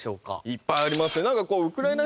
いっぱいありますね。